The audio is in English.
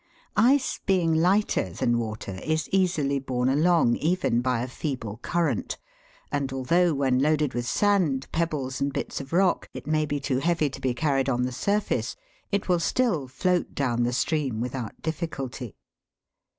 Ice being lighter than water, is easily borne along, even by a feeble current, and although when loaded with sand, pebbles, and bits of rock, it may be too heavy to be carried on the surface, it will still float down the stream without difficulty.